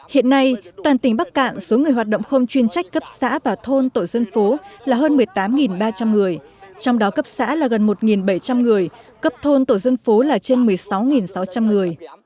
hiện nay toàn tỉnh bắc cạn số người hoạt động không chuyên trách cấp xã và thôn tổ dân phố là hơn một mươi tám ba trăm linh người trong đó cấp xã là gần một bảy trăm linh người cấp thôn tổ dân phố là trên một mươi sáu sáu trăm linh người